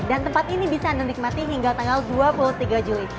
dan tempat ini bisa anda nikmati hingga tanggal dua puluh tiga juli